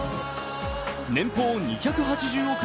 年俸２８０億円